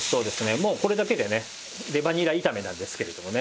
もうこれだけでねレバにら炒めなんですけれどもね。